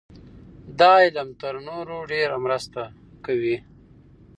دا علم تر نورو ډېره مرسته کوي.